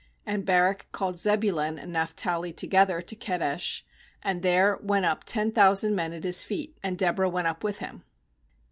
10And Barak called Zeb ulun and Naphtali together to Ke desh; and there went up" ten thousand men at his feet; and Deborah went up with him.